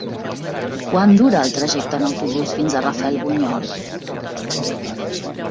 Quant dura el trajecte en autobús fins a Rafelbunyol?